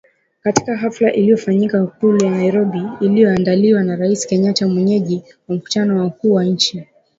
katika hafla iliyofanyika Ikulu ya Nairobi iliyoandaliwa na Rais Kenyatta mwenyeji wa mkutano wa wakuu wa nchi